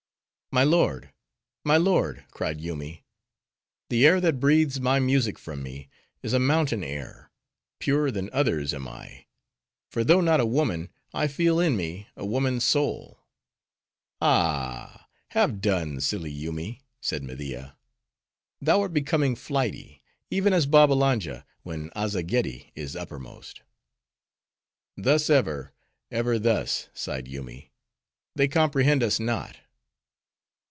"My lord, my lord!" cried Yoomy. "The air that breathes my music from me is a mountain air! Purer than others am I; for though not a woman, I feel in me a woman's soul." "Ah, have done, silly Yoomy," said Media. "Thou art becoming flighty, even as Babbalanja, when Azzageddi is uppermost." "Thus ever: ever thus!" sighed Yoomy. "They comprehend us not."